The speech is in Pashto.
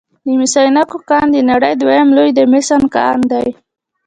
د مس عینک کان د نړۍ دویم لوی د مسو کان دی